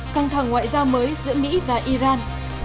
căng thẳng ngoại giao mới giữa mỹ và iran